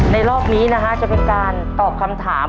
รอบนี้นะฮะจะเป็นการตอบคำถาม